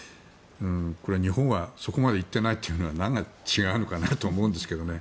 これは日本はそこまでいっていないというのは何が違うのかなと思いますがね。